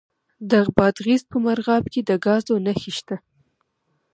د بادغیس په مرغاب کې د ګازو نښې شته.